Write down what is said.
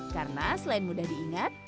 karena selain mudah diingat